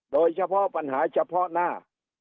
โดยเฉพาะปัญหาเฉพาะหน้า